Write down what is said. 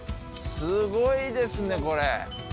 すごいですね、これ。